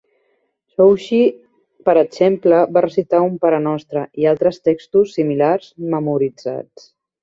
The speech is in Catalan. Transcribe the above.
Siouxsie, per exemple, va recitar un parenostre i altres textos similars memoritzats.